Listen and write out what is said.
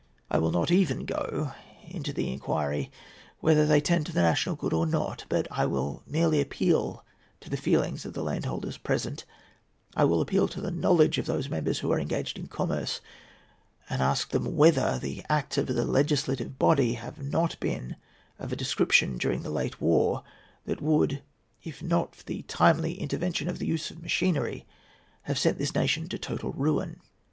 I will not even go into the inquiry whether they tend to the national good or not; but I will merely appeal to the feelings of the landholders present, I will appeal to the knowledge of those members who are engaged in commerce, and ask them whether the acts of the legislative body have not been of a description, during the late war, that would, if not for the timely intervention of the use of machinery, have sent this nation to total ruin?